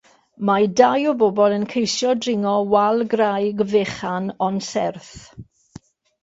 Mae dau o bobl yn ceisio dringo wal graig fechan ond serth.